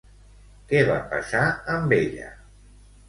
Què va passar amb ella?